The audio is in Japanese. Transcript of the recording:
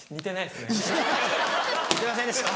すいませんでした！